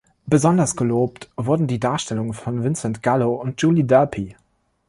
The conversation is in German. Besonders gelobt wurden die Darstellungen von Vincent Gallo und Julie Delpy.